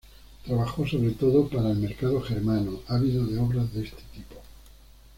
Trabajó sobre todo para el mercado germano, ávido de obras de este tipo.